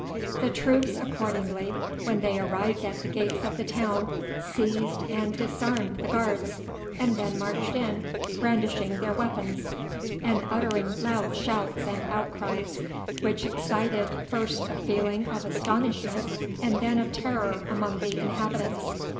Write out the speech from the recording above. The troops accordingly, when they arrived at the gates of the town, seized and disarmed the guards, and then marched in, brandishing their weapons, and uttering loud shouts and outcries, which excited first a feeling of astonishment and then of terror among the inhabitants.